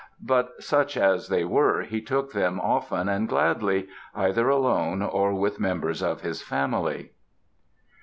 But such as they were he took them often and gladly, either alone or with members of his family.